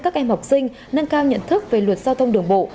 các em học sinh nâng cao nhận thức về luật giao thông đường bộ